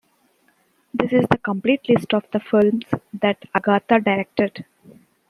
This is the complete list of the films that Agata directed.